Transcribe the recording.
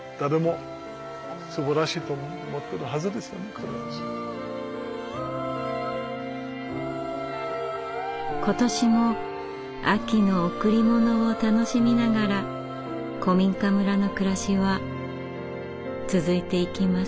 これ見ると今年も秋の贈り物を楽しみながら古民家村の暮らしは続いていきます。